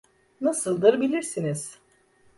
Nasıldır bilirsiniz.